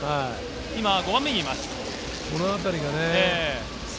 今５番目にいます。